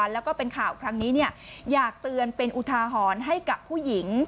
แล้วก็เป็นข่าวครั้งนี้อยากเตือนเป็นอุทาหรณ์ให้กับผู้หญิง